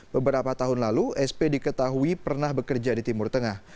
beberapa tahun lalu sp diketahui pernah bekerja di timur tengah